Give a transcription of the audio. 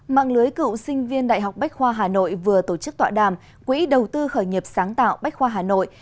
mạng lưới cựu sinh viên đại học bách khoa hà nội vừa tổ chức tọa đàm quỹ đầu tư khởi nghiệp sáng tạo bách khoa hà nội